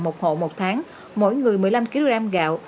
một hộ một tháng mỗi người một mươi năm kg gạo